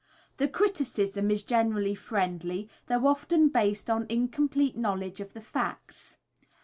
The criticism is generally friendly, though often based on incomplete knowledge of the facts.